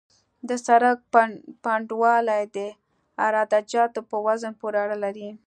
د سرک پنډوالی د عراده جاتو په وزن پورې اړه لري